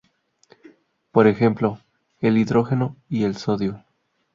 Por ejemplo, el hidrógeno y el sodio.